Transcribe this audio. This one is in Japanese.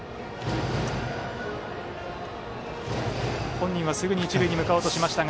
本人はすぐに一塁に向かおうとしましたが。